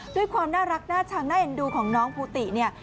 ด้วยความน่ารักน่าชังน่าเอ็นดูของน้องภูติเนี่ย